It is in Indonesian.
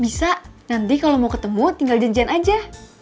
bisa nanti kalau mau ketemu tinggal janjian aja